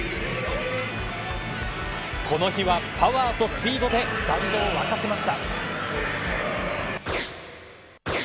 この日はパワーとスピードでスタンドを沸かせました。